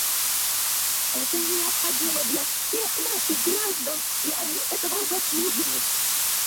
Это необходимо для всех наших граждан, и они этого заслуживают.